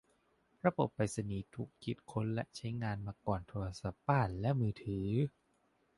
ระบบไปรษณีย์ถูกคิดค้นและใช้งานมาก่อนโทรศัพท์บ้านและมือถือ